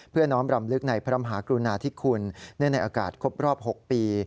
น้อมรำลึกในพระมหากรุณาธิคุณเนื่องในอากาศครบรอบ๖ปี